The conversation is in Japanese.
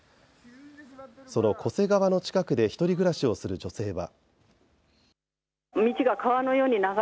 その巨瀬川の近くで１人暮らしをする女性は。